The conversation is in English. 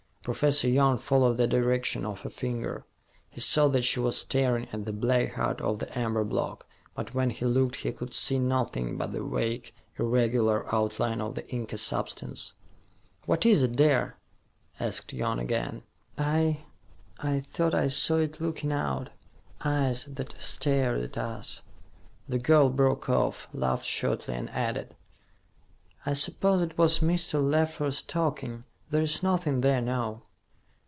Professor Young followed the direction of her finger. He saw that she was staring at the black heart of the amber block; but when he looked he could see nothing but the vague, irregular outline of the inky substance. "What is it, dear?" asked Young again. "I I thought I saw it looking out, eyes that stared at us " The girl broke off, laughed shortly, and added, "I suppose it was Mr. Leffler's talking. There's nothing there now."